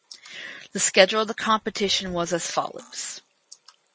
The schedule of the competition was as follows.